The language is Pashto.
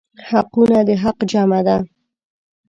حقونه د حق جمع ده.